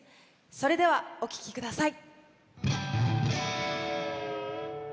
では、お聴きください。